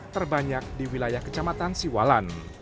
terbanyak di wilayah kecamatan siwalan